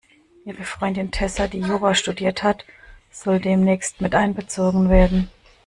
Ihre Freundin Tessa, die Jura studiert hat, soll demnächst miteinbezogen werden.